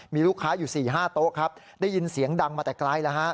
มีลูกค้าอยู่๔๕โต๊ะครับได้ยินเสียงดังมาแต่ไกลแล้วฮะ